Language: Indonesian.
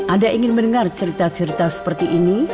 anda ingin mendengar cerita cerita seperti ini